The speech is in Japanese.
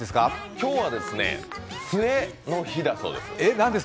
今日は杖の日だそうです。